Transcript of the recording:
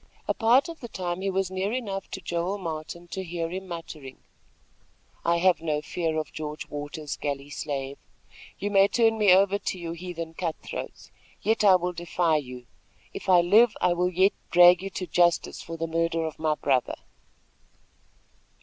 A part of the time he was near enough to Joel Martin to hear him muttering: "I have no fear of George Waters, galley slave. You may turn me over to your heathen cut throats; yet I will defy you. If I live, I will yet drag you to justice for the murder of my brother."